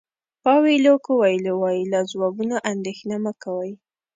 پاویلو کویلو وایي له ځوابونو اندېښنه مه کوئ.